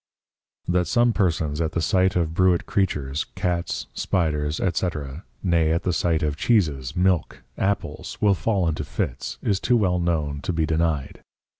_ That some Persons at the Sight of Bruit Creatures, Cats, Spiders, &c. nay, at the sight of Cheeses, Milk, Apples, will fall into Fits, is too well known to be denied.